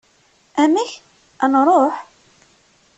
Amek? ad nruḥ?